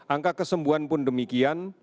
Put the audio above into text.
angka kesembuhan pun demikian